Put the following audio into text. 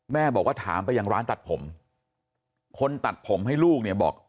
แม่บอกว่าถามไปยังร้านตัดผมคนตัดผมให้ลูกเนี่ยบอก